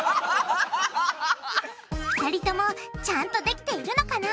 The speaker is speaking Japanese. ２人ともちゃんとできているのかな？